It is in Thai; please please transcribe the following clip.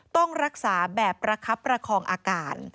ต้องรักษาแบบประคับประคองอาการ